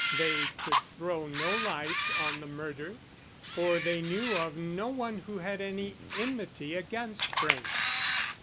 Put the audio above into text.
They could throw no light on the murder, for they knew of no one who had any enmity against Frank.